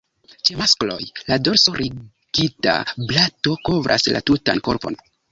Ĉe maskloj, la dorsa rigida plato kovras la tutan korpon.